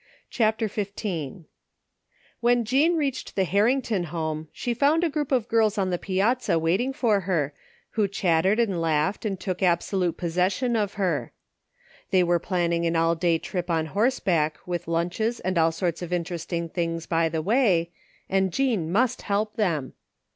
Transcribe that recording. CHAPTER XV When Jean reached the Harrington home she found a group of girls on the piazza waiting for her, who chattered and laughed and took absolute posses sion of her. They were planning an all day trip on horseback with lunches and all sorts of interesting things by the way, and Jean must help them.